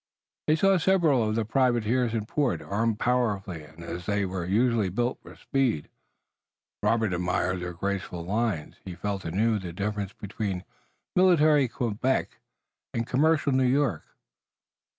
They saw several of the privateers in port, armed powerfully, and as they were usually built for speed, Robert admired their graceful lines. He felt anew the difference between military Quebec and commercial New York.